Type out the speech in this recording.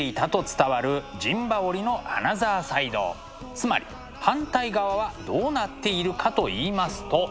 つまり反対側はどうなっているかと言いますと。